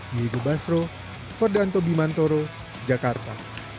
yigubasro ferdanto bimantoro jakarta